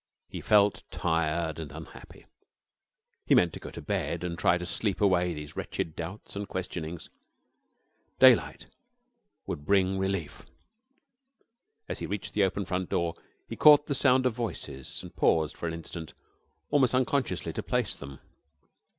He felt tired and unhappy. He meant to go to bed and try to sleep away these wretched doubts and questionings. Daylight would bring relief. As he reached the open front door he caught the sound of voices, and paused for an instant, almost unconsciously, to place them.